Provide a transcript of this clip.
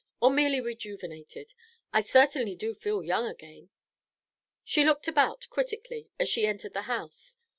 "Or merely rejuvenated? I certainly do feel young again." She looked about critically as she entered the house.